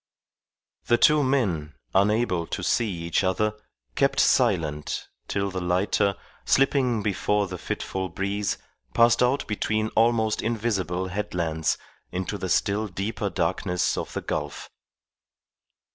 The two men, unable to see each other, kept silent till the lighter, slipping before the fitful breeze, passed out between almost invisible headlands into the still deeper darkness of the gulf.